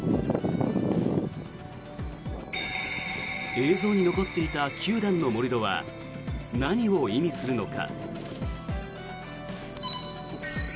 映像に残っていた９段の盛り土は何を意味するのか。